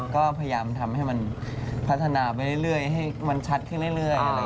ก็พยายามทำให้มันพัฒนาไปเรื่อยให้มันชัดขึ้นเรื่อย